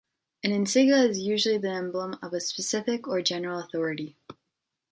An insignia is usually the emblem of a specific or general authority.